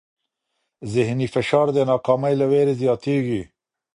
ذهني فشار د ناکامۍ له وېرې زیاتېږي.